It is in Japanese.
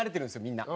みんな。